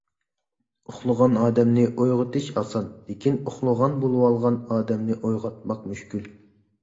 ئۇخلىغان ئادەمنى ئويغىتىش ئاسان، لېكىن ئۇخلىغان بولۇۋالغان ئادەمنى ئويغاتماق مۈشكۈل.